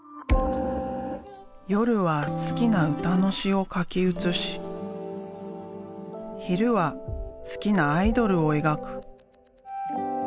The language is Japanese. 夜は好きな歌の詞を書き写し昼は好きなアイドルを描く。